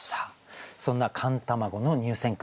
そんな「寒卵」の入選句。